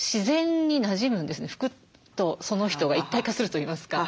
服とその人が一体化するといいますか。